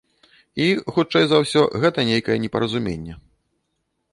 І, хутчэй за ўсё, гэта нейкае непаразуменне.